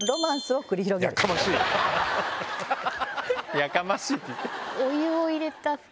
やかましい！